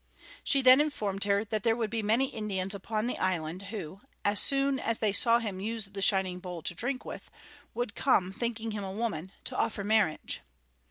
She then informed him that there would be many Indians upon the island, who, as soon as they saw him use the shining bowl to drink with, would come thinking him a woman, to offer marriage.